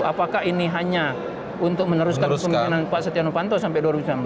apakah ini hanya untuk meneruskan kemungkinan pak setiano panto sampai dua ribu sembilan belas